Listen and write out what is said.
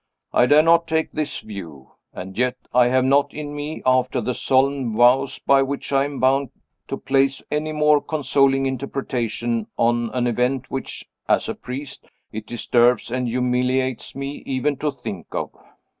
I dare not take this view. And yet I have it not in me, after the solemn vows by which I am bound, to place any more consoling interpretation on an event which, as a priest, it disturbs and humiliates me even to think of.